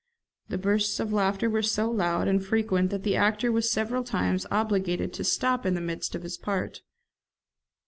The bursts of laughter were so loud and frequent that the actor was several times obliged to stop in the midst of his part.